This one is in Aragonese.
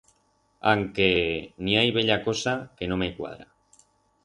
Anque... n'i hai bella cosa que no me cuadra.